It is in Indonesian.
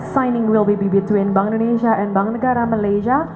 signing akan berdiri antara bank indonesia dan bank negara malaysia